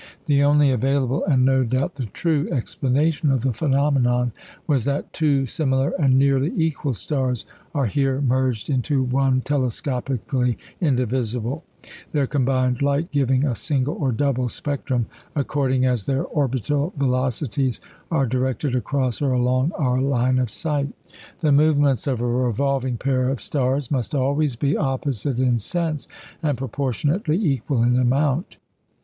The only available, and no doubt the true, explanation of the phenomenon was that two similar and nearly equal stars are here merged into one telescopically indivisible; their combined light giving a single or double spectrum, according as their orbital velocities are directed across or along our line of sight. The movements of a revolving pair of stars must always be opposite in sense, and proportionately equal in amount.